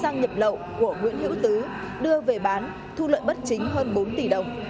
nhập lậu của nguyễn hữu tứ đưa về bán thu lợi bất chính hơn bốn tỷ đồng